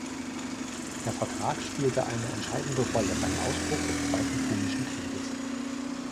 Der Vertrag spielte eine entscheidende Rolle beim Ausbruch des Zweiten Punischen Krieges.